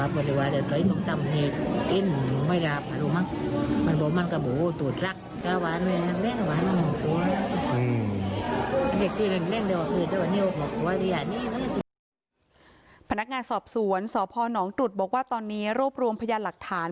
พนักงานสอบสวนสพนตรุษบอกว่าตอนนี้รวบรวมพยานหลักฐาน